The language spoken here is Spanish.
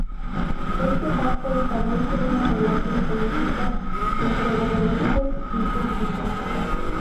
Este pacto establece una relación política entre gobernantes y súbditos.